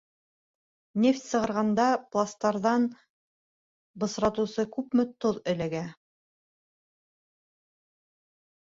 Нефть сығарғанда пластарҙан бысратыусы күпме тоҙ эләгә!..